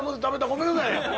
ごめんなさい。